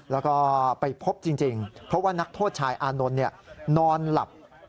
แล้วก็ไปพบจริงเพราะว่านักโทษชายอานนท์นอนหลับ